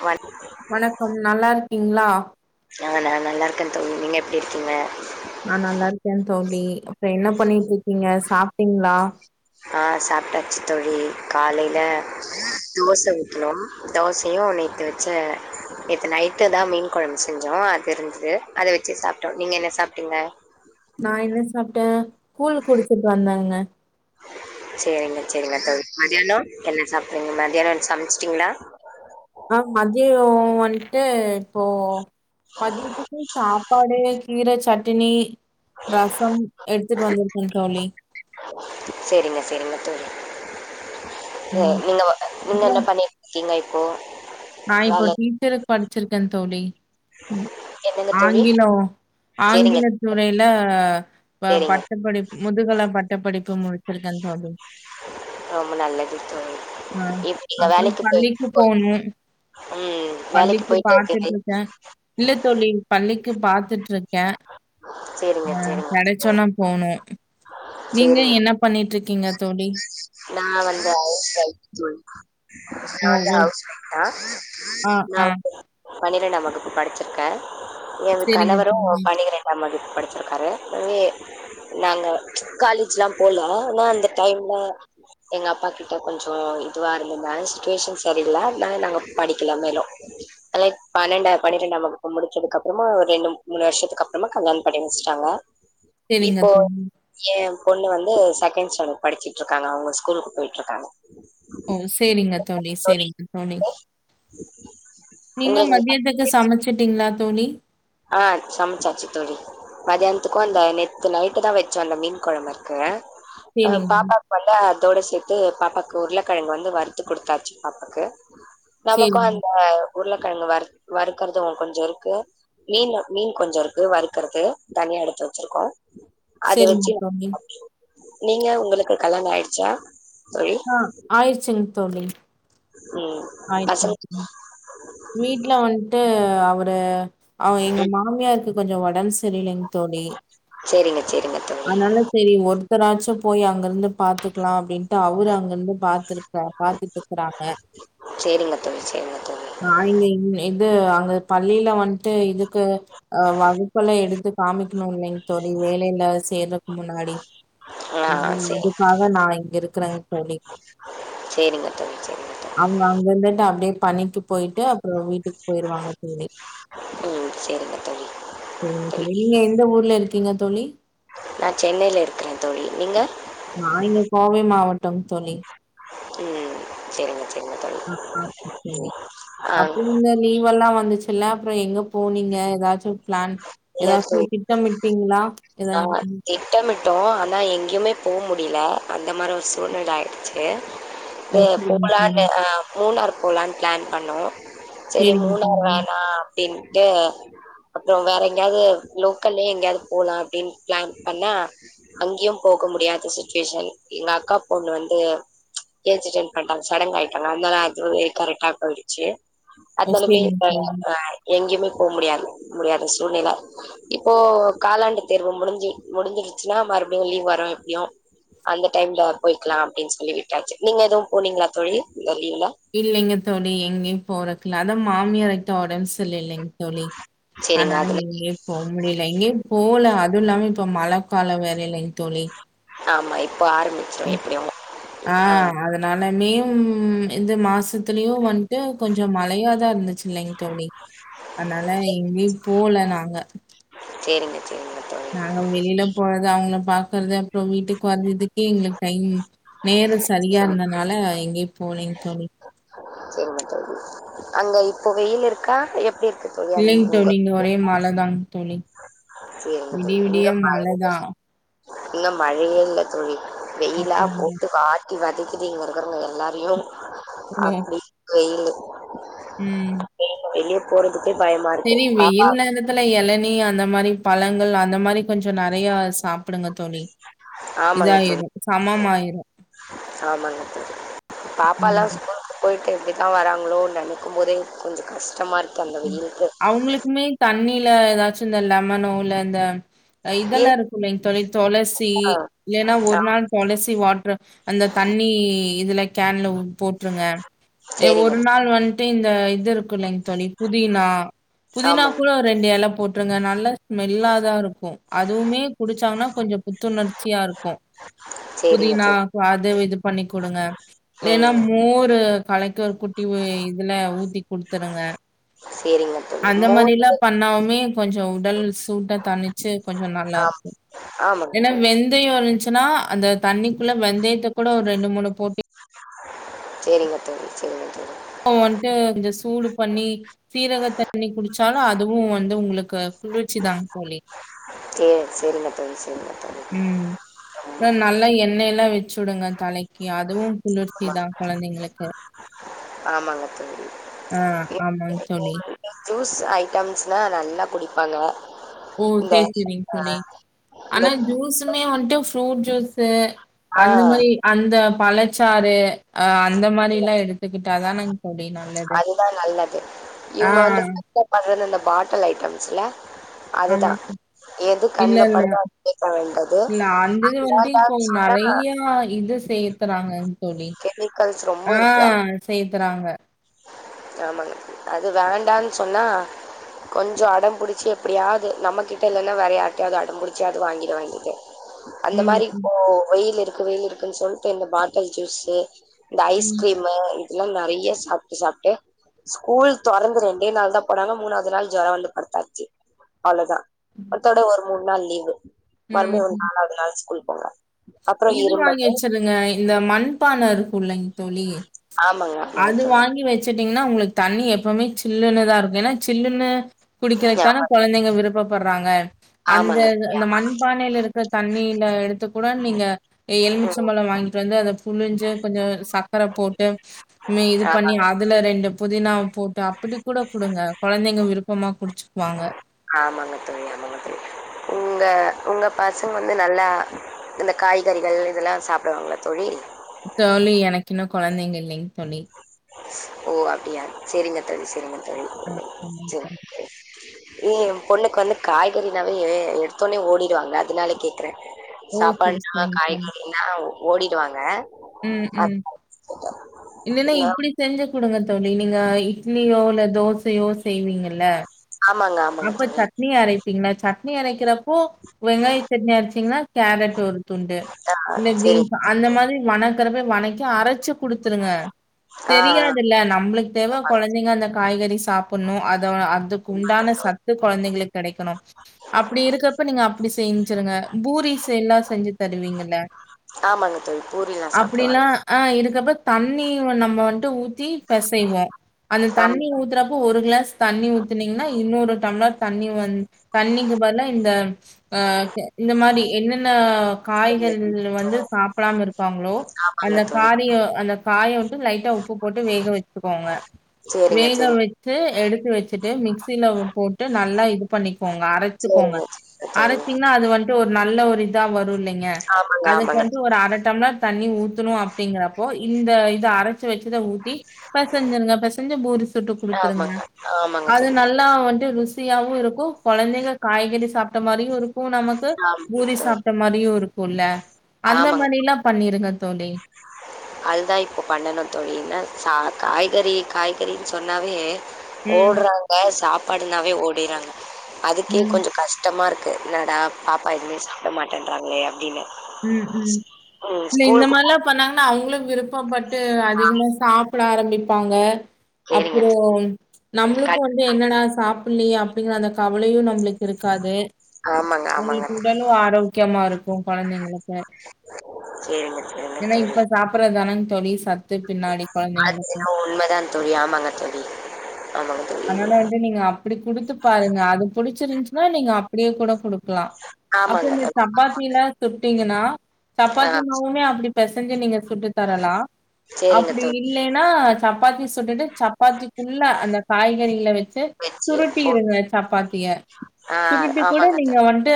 வ வணக்கம் நல்லா இருக்கீங்ளா ஆ நா நல்லா இருக்கே தோழி நீங்க எப்டி இருக்கீங்க நா நல்லா இருக்கே தோழி அப்புற என்ன பண்ணிட்டு இருக்கீங்க சாப்பிட்டீங்ளா ஆ சாப்டாச்சு தோழி காலையில தோச ஊத்துணோம் தோசையு நேத்து வ சே நேத்து நைட்டு தா மீன் கொழம்பு செஞ்சோ அது இருந்தது அத வச்சு சாப்பிட்டோ நீங்க என்ன சாப்பிட்டீங்க நா என்ன சாப்டே கூழ் குடிச்சிட்டு வந்தேங்க சேரிங்க சேரிங்க தோழி மத்தியான என்ன சாப்டீங்க மத்தியான சமைச்சுட்டீங்களா ஆ மத்ய வன்ட்டு இப்போ மதியத்துக்கு சா பாடு கீர சட்டினி ரசம் எடுத்துட்டு வந்திருக்கே தோழி சேரிங்க சேரிங்க தோழி ம் நீ நீங்க வ நீங்க அப்புறோ என்ன பண்ணி ங்க இப்போ நா இப்போ வேல டீச்சரு படிச்சிருக்கே தோழி ம் என்னங்க தோழி ஆங்கிலோ சேரிங்க ஆங்கில துறைல ப சேரிங்க பட்டப்படி முதுகல பட்டப்படிப்பு முடிச்சிருக்கே தோழி ரொம்ப நல்லது தோழி ஆ. இப்ப நீங்க அப்புறம் வேலைக்கு போயி [inaudible] பள்ளிக்கு போணும். ம் வேலைக்கு பள்ளிக்கு போயிட்டே [inaudible] பாத்துட்ருக்கேன். இல்ல தோழி பள்ளிக்கு பாத்துட்டுருக்கே சரிங்க, ஆ சரிங்க, நட சொன்னா போனு நீங்க என்ன பண்ணிட்டுருக்கீங்க தோழி நம்ம வந்து ஹவுஸ் வொய்ஃப் தோழி நா ஓ! வந்தி ஓ! ஹவுஸ் வொய்ஃப் தா ஆ, நா ஆ. வந்து பனிரெண்டாம் வகுப்பு படைச்சிருக்கே எ சரிங்க கணவரு தோழி, பனிரெ தாம் வகுப்பு படிச்சுருக்காரு ஏ நாங்க காலேஜ்லா போல நா அந்த டைம்ல எங்க அப்பா கிட்ட கொஞ்சோ இதுவா இருந்ததுனால சுச்சுவேஷன் சரியில்ல னால நாங்க படிக்கல மேலு அதெ பன்னெண்ட பனிரெண்டாம் வகுப்பு முடிச்சதுக்குப்புறமா ஒரு ரெண்டு மூணு வருஷத்துக்கு அப்புறமா கல்யாண பண்ணி வச்சுட்டாங்க சரிங்க இப்போ தோழி. ஏ பொண்ணு வந்து ச டென்த் ஸ்டண்டட் படிச்சிட்டுருக்காங்க அவங்க ஸ்கூலுக்கு போயிட்டு இருக்காங்க ஓ சேரிங்க தோழி சேரிங்க தோழி நீங்க மத்யத்துக்கு உங்களுக்கு சமைச்சுட்டீங்ளா தோழி ஆ சமைச்சாச்சு தோழி மத்யானத்துக்கு அந்த நேத்து நைட்டு தா வச்சோ அந்த மீன் குழம்ப இருக்கு சரிங்க, பாப்பா வந்ததா அதோட சேத்து பாப்பாக்கு உருளைக்கிழங்கு வந்து வறுத்து குடுத்தாச்சு பாப்பாக்கு நமக்கு சரிங்க, அந்த உருளக்கிழங்கு வற் வறுக்கறது கொஞ்ச இருக்கு மீன் மீன் கொஞ்ச இருக்கு வறுக்கறது தனியா எடுத்து வச்சிருக்கோ அது சரிங்க வச்சு தோழி. நீங்க உங்களுக்கு கல்யாண ஆயிடுச்சா தோழி ஆயிடுச்சுங்க தோழி சேர் ஆய்ட்டு வீட்ல வன்ட்டு அவரு அவ எங்க மாமியாருக்கு கொஞ்சோ ஒடம்பு சரியில்லைங் தோழி சரிங்க சரிங்க தோழி அனால சேரி ஒர் ஒருத்தராட்சு போய் அங்க இருந்து பாத்துக்லா அப்டின்ட்டு அவரு அங்க இருந்து பாத்துரு பாத்துட்டு இருக்கறாங்க சேரிங்க தோழி சேரிங்க தோழி ந இங்க இது அங்க பள்ளியில வன்ட்டு இதுக்கு அ வகுப்பெல்லா எடுத்து காமிக்கணுனிங்க தோழி வேலையில சேர்றக் முன்னாடி ஆ ம் சரி அதுக்காக நா இங்க இருக்கிறங் தோழி சேரிங்க தோழி சேரிங்க தோழி அவங்க அங்க இருந்துட்டு அப்டியே பண்ணிட்டு போய்ட்டு அப்புறோ வீட்டுக்கு போய்டுவாங்க தோழி ம் சேரிங்க தோழி சேரிங்க தோழி தொழி நீங்க எந்த ஊர்ல இருக்கீங்க தோழி நா சென்னையில இருக்கறே தோழி நீங்க நா இங்க கோவை மாவட்டம் தோழி ம் சேரிங்கத்தோ ஆ ஆ சேரி ஆ அப்ப நீங்கள் லீவெல்லா வந்துச்சுல்ல அப்புறோ எங்க போனீங்க ஏதாச்சு பிளான் ஏதாச்சு வச்சு சமைட்ப்பீங்ளா நார்க்கிங் திட்டமிட்டோ ஆனா எங்கேயுமே போவ் முடியல அந்த மாரி ஒரு சூழ்நிலை ஆயிடுச்சு ஏ சரிங்க தோழி போலான்னு அ மூணாரு போலானு பிளான் பண்ணோ சேரி சரிங்க மூணார் தோழி வேணா அப்டின்ட்டு அப்புறோ வேற எங்கயாது லோக்கல்லே எங்கயாது போலாம் அப்டின் ப்ளான் பண்ண அங்கயு போக முடியாத சிச்சுவேஷன் எங்க அக்கா பொண்ணு வந்து ஏஜ் அட்டென் பண்ட்டாங்க சடங்க் ஆயிட்டாங்க அதனால அது கரெக்டா போயிடுச்சு அப்போ இனமே சரிங்க ப தோழி அ எங்கயுமே போ முடியாது முடியாத சூழ்நில இப்போ காலாண்டு தேர்வு முடிஞ்சு முடிஞ்சிடுச்சுன்னா மறுபடியு லீவ் வரு எப்டியு அந்த டைம்ல போயிக்கலாம் அப்டின் சொல்லி விட்டாச்சு நீங்க எதுவு போனீங்களா தோழி இந்த லீவுல இல்லைங்க தோழி எங்கேயு போறக்ல அதா மாமியாரகிட்ட ஒடம்பு சரி இல் இல்லைங் தொலி சரிங்க அனால அதுல எங்கயு போவ் முடியல எங்கயு போல அதுவு இல்லாம இப்ப மழ காலோ வேற இல்லைங்க தோழி ஆமா இப்போ ஆரம்பி ஆ மதுர் நானானியும் இந்த மாசத்துலயு வன்ட்டு கொஞ்சோ மழையாதா இருந்துச்சு இல்லைங்க தோழி அனால எங்கயு போல நாங்க சேரிங்க சேரிங்க தோழ் நாங்க வெளியில போறது அவங்கள பாக்கறது அப்புறோ வீட்டுக்கு வந்ததுக்கே எங்களுக்கு டைம் நேரோ சரியா இருந்தனால எங்கயு போலிங் தோழி செரிங்க தோழி அங்க இப்போ வெயில் இருக்கா எப்டி இரு இல்லைங் தோழி இங்க ஒரே மலதாங் தோலி சேரிங்க தோழி [unintelligible] இங்க மழையே இல்ல தோழி வெயிலா அப்படிங்களா? போட்டு வா ட்டி வதைக்கிது இங்க இருக்கிறவங்க எல்லாரையு ஓ! அப்டி வெயிலு ம் வெளியே போறதுக்கே பயமாருக்கு பாப்பா துல எளநி அந்த மாரி பழங்கள் அந்த மாரி கொஞ்சொ நெறையா சாப்புடுங்க தோழி ஆமாங்க தோழி இதாயிரு சமம் ஆயிரு பாப்பால்லா போய்ட்டு எப்டி தா வராங்களோ நெனைக்கும் போதே கொஞ்ச கஷ்டமாருக்கு அந்த வெயிலுக்கு அவுங்களுக்குமே தண்ணில எதாச்சு இந்த லெமனோ இல்ல இந்த இதெல்லா இருக்கா இருக்குலங்க தோழி தொளசி இல்லேன்னா ஆ ஒரு நாள் தொளசி வாட்ரு அந்த தண்ணி இதுல கேன்ல ஊ போட்டுருங்க சேரிங்க ஒரு நாள் வந்ட்டு இந்த இது இருக்குல்லைங் தோழி புதினா புதினா ஆமாங்க கூட ஒரு ரெண்டு எல போட்டுருங்க நல்ல ஸ்மெல்லா தா இருக்கூ அதுவுமே குடிச்சாங்கன்னா கொஞ்சொ புத்துணர்ச்சியா இருக்கூ சேரிங்க புதினா தோழி வாது இது பண்ணி குடுங்க இல்லேன்னா ம் மோரு கலக்கி ஒரு குட்டி இதுல ஊத்தி குடுத்துருங்க சேரிங்க தோழி அந்த மாரில்லா மோரு பண்ணாவுமே கொஞ்ச உடல் சூட்ட தனிச்சு கொஞ்ச ஆ நல்லாருக்கூ ஆமாங்க இல்லனா தோழி வெந்தயொ இருந்ச்சுன்னா அந்த தண்ணிக்குள்ள வெந்தயத்த கூட ஒரு ரெண்டு மூணு போட்டு சேரிங்க தோழி சேரிங்க தோழி ப்போ வன்ட்டு கொஞ்சொ சூடு பண்ணி சீரக தண்ணி குடிச்சாலு அதுவு வந்து உங்களுக்கு குளிர்ச்சி தா தோழி கே செரிங்க தோழி செரிங்க தோழி ம் நல்லா எண்ணெய்ல்லா வெச்சு உடுங்க தலைக்கி அதுவு குளிர்ச்சி தா கொழந்தைங்களுக்கு ஆமாங்க தோழி ஆ ஆமாங்க தோழி ஜுஸ் ஐட்டம்ஸ்னா நல்லா குடிப்பாங்க ஓ இந்த சேரி சேரிங்க ஆ தோழி இந்த ஆனா ஜுஸுமே வந்ட்டு ஃப்ரூட் ஜூஸு ஆ அந்த மாரி அந்த பழச்சாறு அ அந்த மாரில்லா எடுத்துக்கிட்டா தானங் ஓப்டின்னா அதுதா நல்லது இவுங்க வந்து [inaudible] பாட்டல் ஐட்டம்ஸ்ல ஆ அதுதா எது இல்ல கண்ல இல்ல படுதோ அது கேக்க வேண்டது இல்ல அந்தது வந்ட்டு அதுனால இப்போ சொன்னா நறையா இது சேத் றாங்கன் தோழி கெமிக்கல்ஸ் ரொம்ப ஆ இருக்கு சேத்துறாங்க ஆமாங்க அது வேண்டான் சொன்னா கொஞ்ச அடம்புடிச்சி எப்டியாவ்து நம்ம கிட்ட இல்லன்னா வேற யார்ட்டாய்வது அடம் புடிச்சியாவ்து வாங்கிடுவாங்ங அந்த ம், மாரி ம், இப்போ வெயில் இருக்கு வெயில் இருக்குன்னு சொல்ட்டு இந்த பாட்டல் ஜுஸு இந்த ம், ஐஸ்கிரீம் மு இதுல்லா நறைய சாபா சாப்ட்டு ஸ்கூல் தொறந்து ரெண்டே நாள் தான் போனாங்க மூணாவ்து நாள் ஜொர வந்து படுத்தாச்சு அவ்ளோதா அத்தோட ஒரு மூணு நாள் லீவு ம், மறுபடியு ஒரு ம். நாளாவ்து நாள் ஸ்கூல் போவாங்க இது வாங்கி வச்சுருங்க இந்த மண்பான இருக்கூ இல்லைங் தோழி ஆமாங்க ஆமாங்க அது தோழி வாங்கி வச் சிட்டீங்கன்னா உங்களுக்கு தண்ணி எப்பவுமே சில்லுன்னுதா இருக்கூ ஏன்னா சில்லுனு குடிக்கிறதுக்கு தான ஆமா கொழந்தைங்க விருப்பப்பட்றாங்க அந்த ஆமாங்க தோழி அந்த ஆமா மண் மண்பானையில இருக்கிற தண்ணியில எடுத்து கூட நீங்க ம் எலுமிச்சம்பழ வாங்கிட்டு வந்து அத புழிஞ்சு கொஞ்ச சக்கர போட்டு இது பண்ணி ஆமாங்க அதுல ரெண்டு புதினா போட் அப்டி கூட குடுங்க கொழந்தைங்க விருப்பமா குடிச்சுக்குவாங்க ஆமாங்க தோழி ஆமாங்க தோழி உங்க உங்க பசங்க வந்து நல்லா இந்த காய்கறிகள் இதெல்லா சாப்டுவாங்களா தோழி தோழி எனக்கு இன்னூ கொழந்தைங்க இல்லைங் தோழி ஓ அப்டியா செரிங்க தோழி செரிங்க தோழி ஆ ஆமாங்க உம் தோழி. ஏ என் பொண்ணுக்கு வந்து காய்கறினாவே எடுத்தோனே ஓடிடுவாங்க அதனால கேக்குறே ஓகே சாப்பாடுன்னா சரிங்க காய்கறின்னா ஓடிடுவாங்க உம் அது உம் இனிமே இப்டி செஞ்சு குடுங்க தோழி நீங்க இட்லியோ இல்ல தோசயோ செய்வீங்கல்ல ஆமாங்க ஆமாங்க அப்ப தோழி. சட்னி அரைப்பிங்களா சட்னி அரைக்கிறப்போ வெங்காய சட்னி அரைச்சிங்கன்னா கேரட் ஒரு துண்டு ஆ இல்ல சரி. பீன்ஸ் அந்த மாரி வணக்குறத வணக்கி அரச்சி குடுத்துருங்க ஆ, ஆ. தெரியாதுல்ல நம்ளுக்கு தேவ கொழந்தைங்க அந்த காய்கறி சாப்டணு அத அதுக்கு உண்டான சத்து கொழந்தைங்களுக்கு கெடைக்கணு அப்டி இருக்கப்ப நீங்க அப்டி செஞ்சுருங்க பூரிஸ் எல்லா செஞ்சு தருவீங்கல்ல ஆமாங்க தோழி பூரி லா சாப்டுவாங்க அப்படிலாம் ஆ இருக்கப்ப தண்ணி வ நம்ப வந்து ஊத் தி பிசைவோ அந்த ஆமாங்க. தண்ணி ஊத்துறப்போ ஒரு கிளாஸ் தண்ணி ஊத்துனீங்கன்னா இன்னொரு பண்ண தண்ணி வந்து தண்ணிக்கு பதிலா இந்த ஆ இந்த மாரி என்னென்ன சரிங்க காய்கறிகள் வந்து தோழி. சாப்டாம இருப்பாங்களோ ஆமாங்க அந்த தோழி. காரியோ அந்த காய விட்டு லைட்டா உப்பு போட்டு வேக வச்சுக்கோங்க சரிங்க, வேக சரிங்க. வச் ச்சு எடுத்து வச்சிட்டு மிக்சில போட்டு நல்லா இது பண்ணிக்கோங்க அரைத்துக்கோங்க சரிங்க, சரிங்க தோழி. அரைச்சிங்கன்னா அது வந்துட்டு ஒரு நல்ல ஒரு இதா வரு இல்லைங்க ஆமாங்க, அதுக்கு ஆமாங்க. வந்துட்டு ஒரு அர டம்ளர் தண்ணி ஊத்தணு அப்டிங்கறப்போ இந்த இது அர வச்சத ஊட்டி பிசைஞ்ருங்க பிசைஞ்சு பூரி சுட்டு குடுத்துருங்க ஆமாங்க, ஆமாங்க அது தோழி. நல் லா வந்து ருசியாவு இருக்கு கொழந்தைங்க காய்கறி சாப்ட்ட மாரியு இருக் இப்போ நமக்கு ஆமாங்க பூரி தோழி. சாப்ட்ட மாரியு இருக்கும்ல அந்த மாரில்லா பண்ணிருங்க தோழி அதுதா இப்போ பண்ணணு தோழா ச காய்கறி காய்கறின்னு சொன்னாவே ம், ஓட்றாங்க சாப்பாடுனாவே ஓடிறாங்க அதுக்கே ம், கொஞ்சோ கஷ்ட ஷ்டமாக இருக்கு என்னடா பாப்பா எதுவுமே சாப்ட மாட்டேன்றாங்களே அப்டின்னு உம் உம் இல்ல இந்த போ மாரிலா பண்ணாங்கன்னா அவுங்களு விருப்பப்பட்டு அதிகமா சாப்ட ஆரம்பிப்பாங்க சரிங்க அப்றொ தோழி. நம்பளுக்கு கண் வந்து என்னடா சாப்லயே அப்டிங்கிற அந்த கவலையு நம்பளுக் இருக்காது ஆமாங்க, ஆமாங்க. உங்களுக்கு உடலு ஆரோக்கியமா இருக்கு கொழந்தைங் சரிங்க சரிங்க தோழி சாப்றது தான தோழி சத்து பின்னாடி அது கொழந்தைங்களுக்கு என்னவோ உண்மைதான் தோழி ஆமாங்க தோழி ஆமாங்க தோழி அதனால வந்து நீங்க அப்டி குடுத்து பாருங்க அது புடிச்சிருந்துச்சுன்னா நீங்க அப்டியே கூட குடு க்கலா அப்போ ஆமாங்க. இந்த அது சப்பாத்தி லா சுட்டீங்கன்னா ஆ சப்பாத்தி மாவுமே அப்டி பெசைஞ்சு நீங்க சுட்டு தரலா சேரிங்க தோழி ன்னா சப்பாத்தி சுட்டுட்டு சப்பாத்திக்குள்ள அந்த காய்கறிகல வச்சு வச்சு ஃபோன் சுருட்டிருங்க சப்பாத்திய ஆ சுருட்டி கூட ஆமாங்க தோழி. நீங்க வன்ட்டு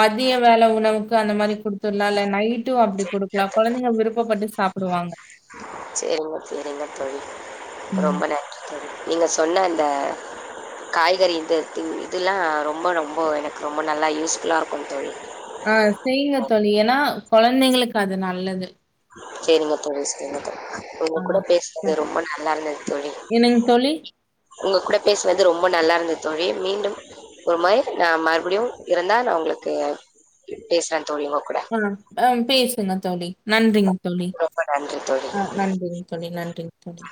மதிய வேல உணவுக்கு அந்த மாரி கொடுத் ல்லால நைட்டு அப்டி குடுக்கலா கொழந்தைங்க விருப்பப்பட்டு சாப்பிடுவாங்க சேரிங்க சேரிங்க தோழி ம். ரொம்ப நன்றி தோழி நீங்க சொன்ன அந்த காய்கறி இது இதுலா ரொம்ப ரொம்ப எனக்கு ரொம்ப நல்லா யூஸ்ஃபுல்லா இருக்கு தோழி ஆ செய்ங்க தோழி ஏன்னா கொழந்தைங்களுக்கு அது நல்லது சேரிங்க தோழி செரிங்க தோழி உங்க ஆ. கூட அ பேஸ்னது ரொம்ப நல்லா இருந்தது தோழி என்னங்க தோழி? உங்க கூட பேஸ்னது ரொம்ப நல்லா இருந்தது தோழி மீண்டும் ஒரு மாரி நா மறுப்டியு இருந்தா நா உங்களுக்கு பேசுறே தோழி உங்க கூட ஆ. அ பேசுங்க தோழி நன்றிங் தோழி ரொம்ப நன்றி தோழி. ஆ நன்றிங்க தோழி நன்றிங்க தோழி